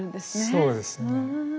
そうですね。